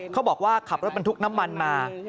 เขาบอกว่าขับรถบรรทุกน้ำมันมา